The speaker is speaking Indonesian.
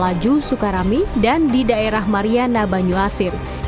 di antaranya di kawasan garami dan di daerah mariana banyu asir